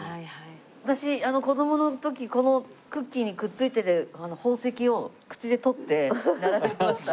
私子どもの時このクッキーにくっついてる宝石を口で取って並べてました。